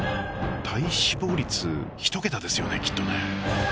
体脂肪率１桁ですよねきっとね。